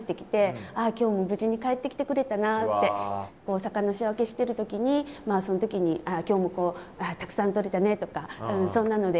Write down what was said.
魚仕分けしてる時にその時に「今日もたくさんとれたね」とかそんなので。